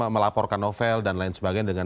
melaporkan novel dan lain sebagainya dengan